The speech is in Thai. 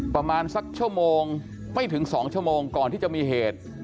ประมาณสักชั่วโมงไม่ถึง๒ชั่วโมงก่อนที่จะมีเหตุ